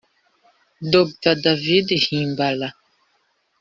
Dr David Himbara